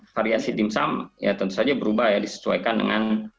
variasi dimsum tentu saja berubah disesuaikan dengan